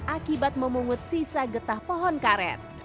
akibat memungut sisa getah pohon karet